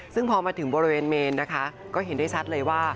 ซึ่งพอมาถึงบริเวณเมนนะคะก็เห็นได้ชัดเลยว่า